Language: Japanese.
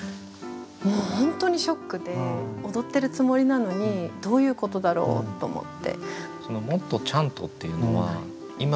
もう本当にショックで踊ってるつもりなのにどういうことだろう？と思って。